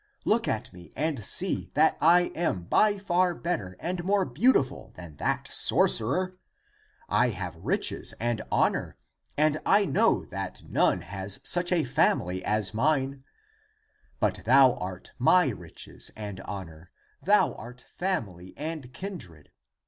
Look at me (and see), that I am by far better and more beautiful than tliat sorcerer. I have riches and honor, and all know that none has such a family as mine. But thou art my riches and honor, thou art family and kindred.